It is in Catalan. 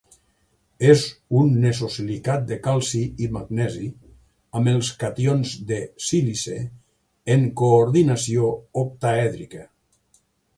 És un nesosilicat de calci i magnesi, amb els cations de sílice en coordinació octaèdrica.